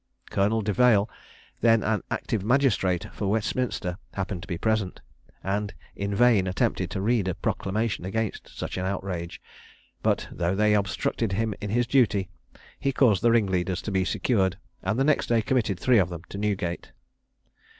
Colonel De Veil, then an active magistrate for Westminster, happened to be present, and in vain attempted to read a proclamation against such an outrage; but, though they obstructed him in his duty, he caused the ringleaders to be secured, and the next day committed three of them to Newgate.